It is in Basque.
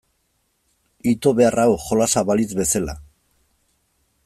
Ito behar hau jolasa balitz bezala.